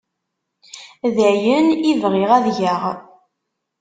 D ayen i bɣiɣ ad geɣ.